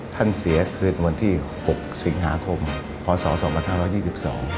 ท่านเสียคืนวันที่๖สิงหาคมพศสวันที่๒๒๒